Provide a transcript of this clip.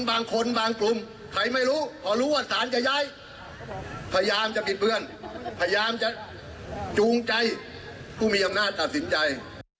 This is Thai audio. พยายามจะผิดเพื่อนพยายามจะจูงใจก็มีอำนาจตัดสินใจ